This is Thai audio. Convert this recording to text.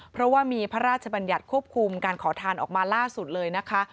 เพราะว่ามีพระราชบัญญัติควบคุมการขอทานออกมาล่าสุดเลยนะคะ